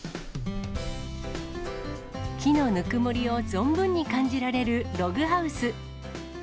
木のぬくもりを存分に感じられるログハウス。